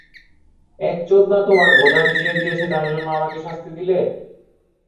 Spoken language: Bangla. এক চোদনা তোমার ভোদা ভিজিয়ে দিয়েছে তার জন্য আমাকে শাস্তি দিলে?